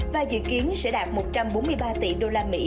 và dự kiến sẽ đạt một trăm bốn mươi ba tỷ đô la mỹ